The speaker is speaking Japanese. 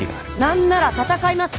なんなら闘いますか？